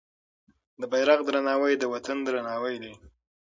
د بیرغ درناوی د وطن درناوی دی.